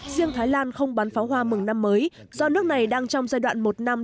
riêng thái lan không bán pháo hoa mừng năm mới do nước này đang trong giai đoạn một năm